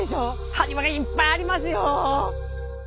埴輪がいっぱいありますよ。